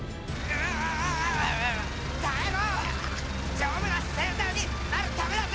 丈夫なセーターになるためだぜ。